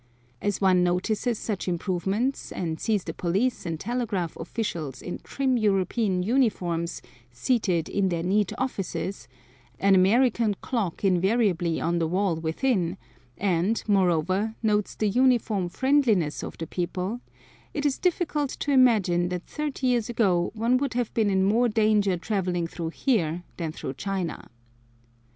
As one notices such improvements, and sees the police and telegraph officials in trim European uniforms seated in their neat offices, an American clock invariably on the wall within, and, moreover, notes the uniform friendliness of the people, it is difficult to imagine that thirty years ago one would have been in more danger travelling through here than through China.